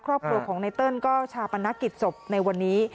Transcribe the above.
ครอบครัวของไนเติ้ลก็ชาปนกิจศพในวันนี้